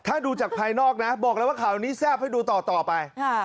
ถ้าดูจากภายนอกนะบอกแล้วว่าข่าวนี้แซ่บให้ดูต่อไป